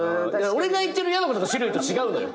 俺が言ってるやなことの種類と違うのよ。